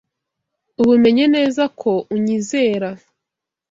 Ubu menye neza ko unyizera